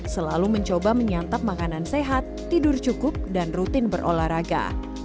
selalu mencoba menyantap makanan sehat tidur cukup dan rutin berolahraga